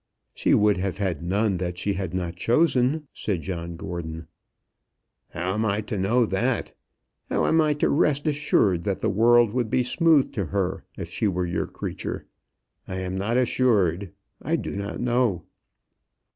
"She would have had none that she had not chosen," said John Gordon. "How am I to know that? How am I to rest assured that the world would be smooth to her if she were your creature? I am not assured I do not know."